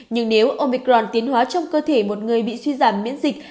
nhưng nếu omicron tiến hóa trong cơ thể một người bị suy giảm miễn dịch